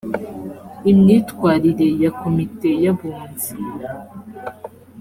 imyitwarire ya komite y’abunzi